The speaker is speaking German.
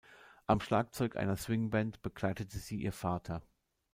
Am Schlagzeug einer Swingband begleitete sie ihr Vater.